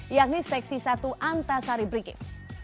yakni seksi satu antasari brigif